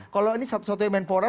kalau ini satu satunya menpora